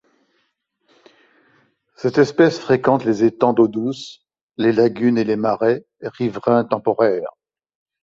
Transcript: Cette espèce fréquente les étangs d'eau douce, les lagunes et les marais riverains temporaires.